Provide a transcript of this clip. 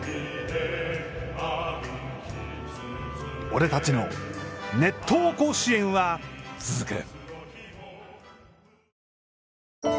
俺たちの「熱湯甲子園」は続く。